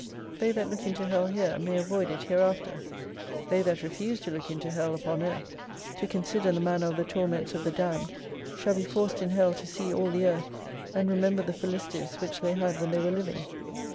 They that look into Hell here may avoid it hereafter. They that refuse to look into Hell upon earth, to consider the manner of the torments of the damned, shall be forced in Hell to see all the earth, and remember the felicities which they had when they were living.